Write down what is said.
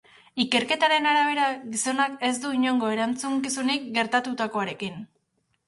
Ikerketaren arabera, gizonak ez du inongo erantzukizunik gertatutakoarekin.